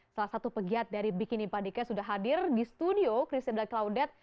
salah satu pegiat dari bikini padegat sudah hadir di studio krista dahlia claudette